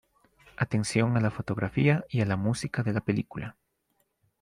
Atención a la fotografía y a la música de la película.